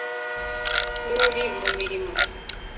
nk uri mu mirimo